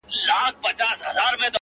خوار زما د حرکت په هر جنجال کي سته’